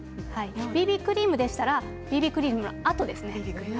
ＢＢクリームでしたらＢＢクリームのあとですね。